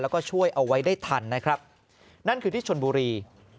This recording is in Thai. แล้วก็ช่วยเอาไว้ได้ทันนะครับนั่นคือที่ชนบุรี